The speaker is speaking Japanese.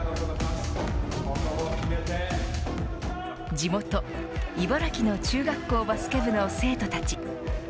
地元、茨城の中学校バスケ部の生徒たち。